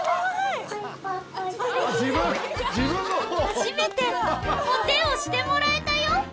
初めてお手をしてもらえたよ